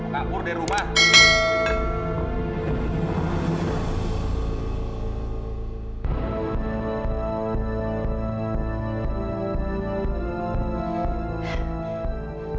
saya mau ke rumah